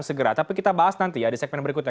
segera tapi kita bahas nanti ya di segmen berikutnya